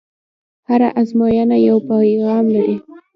هره ازموینه یو پیغام لري.